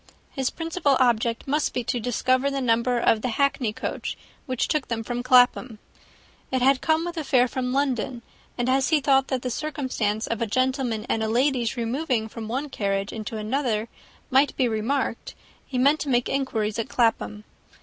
His principal object must be to discover the number of the hackney coach which took them from Clapham. It had come with a fare from London; and as he thought the circumstance of a gentleman and lady's removing from one carriage into another might be remarked, he meant to make inquiries at Clapham.